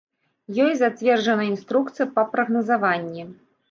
Ёй зацверджана інструкцыя па прагназаванні.